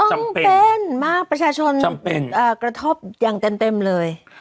จำเป็นมากประชาชนกระทบอย่างเต็มเลย